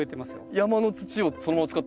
山の土をそのまま使ってるんですか？